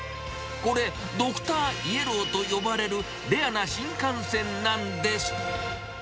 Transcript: これ、ドクターイエローと呼ばれるレアな新幹線なんです。